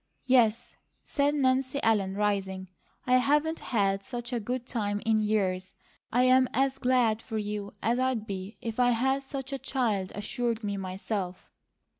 "Yes," said Nancy Ellen, rising, "I haven't had such a good time in years. I'm as glad for you as I'd be if I had such a child assured me, myself."